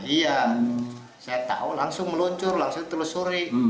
iya saya tahu langsung meluncur langsung telusuri